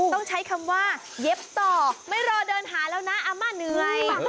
ต้องใช้คำว่าเย็บต่อไม่รอเดินหาแล้วนะอาม่าเหนื่อย